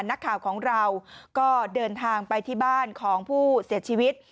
นักข่าวของเราก็เดินทางไปที่บ้านของผู้เสียชีวิต